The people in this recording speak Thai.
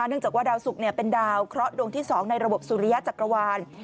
เนื่องจากว่าดาวสุกเป็นดาวเคราะห์ดวงที่๒ในระบบสุริยจักรวาล